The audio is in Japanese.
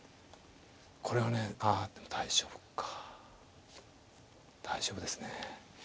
これはねああでも大丈夫か大丈夫ですね。